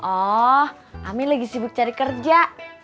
oh amin lagi sibuk cari kerja